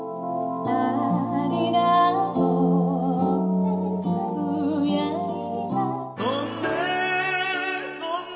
「ありがとうってつぶやいた」